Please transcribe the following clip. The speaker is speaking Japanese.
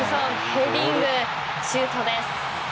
ヘディングシュートです。